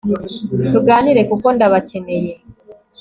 tuganire kuko ndabakeneye